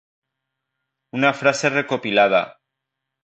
Una frase recopilada.